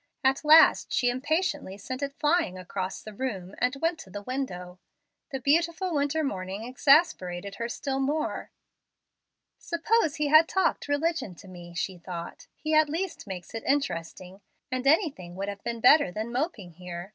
At last she impatiently sent it flying across the room, and went to the window. The beautiful winter morning exasperated her still more. "Suppose he had talked religion to me," she thought, "he at least makes it interesting, and anything would have been better than moping here.